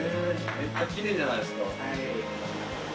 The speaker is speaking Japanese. めっちゃきれいじゃないですか！